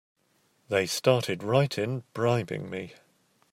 They started right in bribing me!